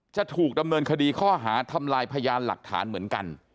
จะถูกดำเนินคดีข้อหาทำลายพยานหลักฐานเหมือนกัน